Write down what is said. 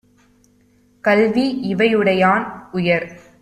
கல்வி இவையுடையான் - உயர்